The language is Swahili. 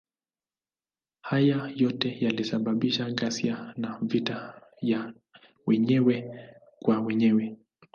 Hayo yote yalisababisha ghasia na vita ya wenyewe kwa wenyewe.